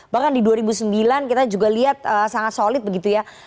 bahkan di dua ribu sembilan kita juga lihat sangat solid begitu ya